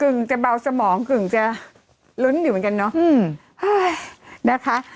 กึ่งกระเบาสมองกึ่งจะลุ้นเหมือนการเนาะ